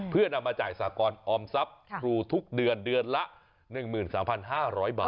เพื่อนำมาจ่ายสากรออมทรัพย์ครูทุกเดือนเดือนละ๑๓๕๐๐บาท